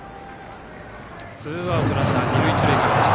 ツーアウトランナー、二塁一塁からでした。